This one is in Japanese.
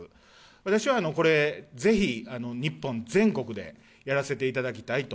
私はこれ、ぜひ日本全国でやらせていただきたいと。